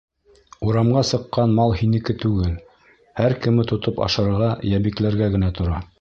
Урамға сыҡҡан мал һинеке түгел, һәр кеме тотоп ашарға йә бикләргә генә тора.